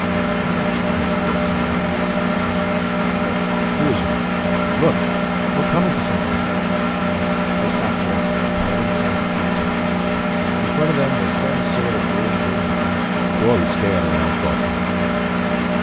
"We might try it for a time, at least. But do as you like. Look, we're coming to something." They stopped walking, letting Tance catch up. In front of them was some sort of a ruined building. Dorle stared around thoughtfully.